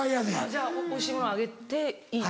じゃあおいしいものあげていい。